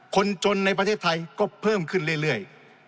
คนจนในประเทศไทยก็เพิ่มขึ้นเรื่อย